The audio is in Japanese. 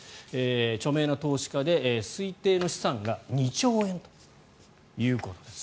著名な投資家で推定の資産が２兆円ということです。